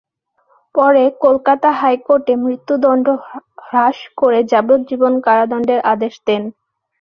পরে কলকাতা হাইকোর্ট মৃত্যুদণ্ড হ্রাস করে যাবজ্জীবন কারাদণ্ডের আদেশ দেন।